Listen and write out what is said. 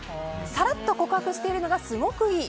サラッと告白しているのがすごくいい。